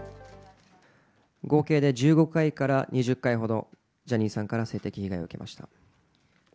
合計で１５回から２０回ほど、ジャニーさんから性的被害を受けました。